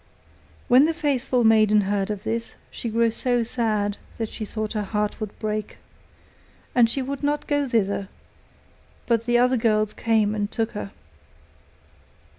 When the faithful maiden heard of this, she grew so sad that she thought her heart would break, and she would not go thither, but the other girls came and took her.